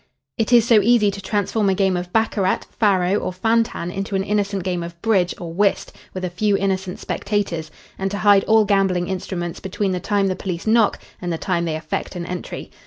It is so easy to transform a game of baccarat, faro, or fantan into an innocent game of bridge or whist with a few innocent spectators, and to hide all gambling instruments between the time the police knock and the time they effect an entry.